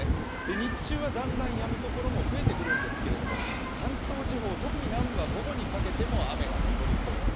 日中はだんだんやむ所も増えてくるんですけれども関東地方、特に南部は午後にかけても雨が残りそうです。